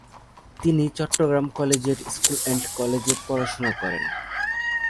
তিনি Chattogram collegiate school and college এ পড়াশোনা করেন।